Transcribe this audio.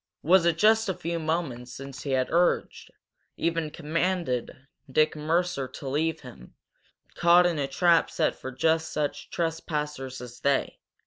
Was it just a few moments since he had urged, even commanded, Dick Mercer to leave him, caught in a trap set for just such trespassers as they?